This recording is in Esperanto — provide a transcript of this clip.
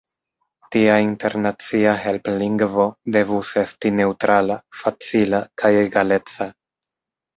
Tia internacia helplingvo devus esti neŭtrala, facila kaj egaleca.